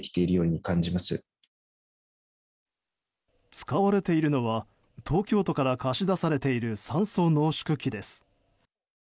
使われているのは東京都から貸し出されている酸素濃縮器です。